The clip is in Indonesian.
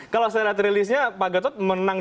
kalau saya lihat rilisnya pak gatot menang di banten